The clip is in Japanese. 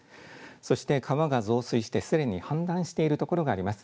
そして川が増水して、すでに氾濫している所があります。